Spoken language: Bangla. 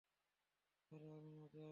তাহলে আমি না যাই।